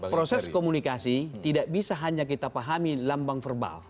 proses komunikasi tidak bisa hanya kita pahami lambang verbal